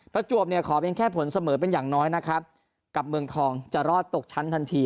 ประจวบเนี่ยขอเป็นแค่ผลเสมอเป็นอย่างน้อยนะครับกับเมืองทองจะรอดตกชั้นทันที